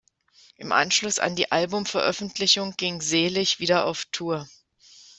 Im Anschluss an die Albumveröffentlichung ging "Selig" wieder auf Tour.